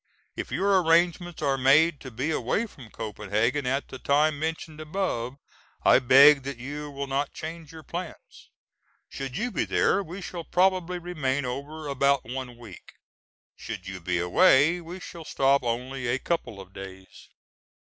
If your arrangements are made to be away from Copenhagen at the time mentioned above, I beg that you will not change your plans. Should you be there, we shall probably remain over about one week. Should you be away, we shall stop only a couple of days.